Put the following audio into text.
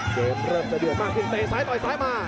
เกมเริ่มจะเดี่ยวมากตีซ้ายต่อยซ้ายมา